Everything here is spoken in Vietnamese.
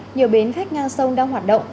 nhiều bến khách ngang sông đang hoạt động